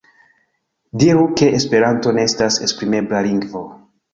Diru ke esperanto ne estas esprimebla lingvo.